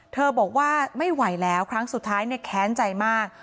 บอกว่าไม่ไหวแล้วครั้งสุดท้ายเนี่ยแค้นใจมาก